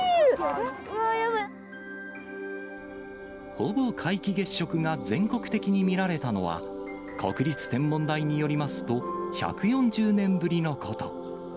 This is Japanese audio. ほぼ皆既月食が全国的に見られたのは、国立天文台によりますと、１４０年ぶりのこと。